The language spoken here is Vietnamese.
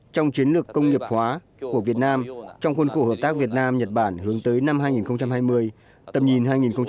trong chiến lược công nghiệp hóa của việt nam trong khuôn khổ hợp tác việt nam nhật bản hướng tới năm hai nghìn hai mươi tầm nhìn hai nghìn ba mươi